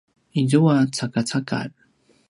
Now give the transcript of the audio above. izua “cakacakar”